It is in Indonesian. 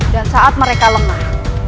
dan saat mereka lemah